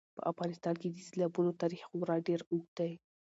په افغانستان کې د سیلابونو تاریخ خورا ډېر اوږد دی.